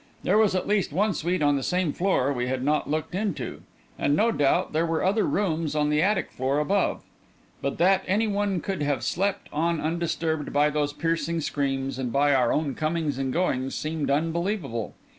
There was at least one suite on the same floor we had not looked into, and no doubt there were other rooms on the attic floor above. But that any one could have slept on undisturbed by those piercing screams and by our own comings and goings seemed unbelievable.